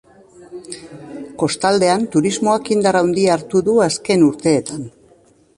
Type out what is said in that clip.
Kostaldean turismoak indar handia hartu du azken urteetan.